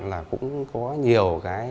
là cũng có nhiều cái